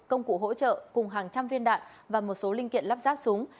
công cụ hỗ trợ cùng hàng trăm viên đạn và một số linh kiện lắp ráp súng